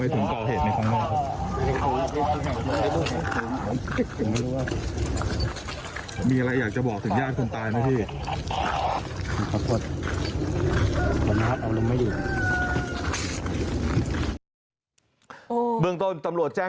ทำไมถึงกล่าวเหตุในคำนั้น